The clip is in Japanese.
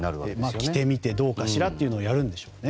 着てみてどうかしらとやるんでしょうね。